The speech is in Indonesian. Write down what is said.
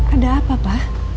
ada apa pak